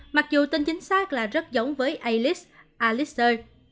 mặc dù tên chính xác là rất giống với alice alicester